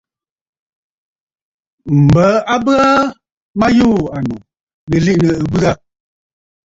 M̀bə a bə aa ma yû ànnù, nɨ̀ liꞌìnə̀ ɨ̀bɨ̂ ghâ.